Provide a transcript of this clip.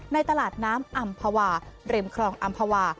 ในตลาดน้ำอำภาวาริมครองอำภาวา